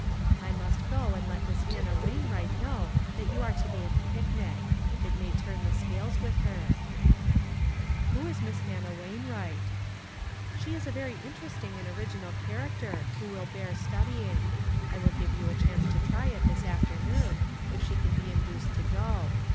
I must go and let Miss Hannah Wamwright know that you are to be at the picnic. It may turn the scales with her." 2O ONE COMMONPLACE DAY. "Who is Miss Hannah Wainwright ?"" She is a very interesting and original character, who will bear studying ; I will give you a chance to try it this afternoon, if she can be induced to go.